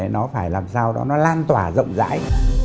nó phải làm sao đó nó lan tỏa rộng rãi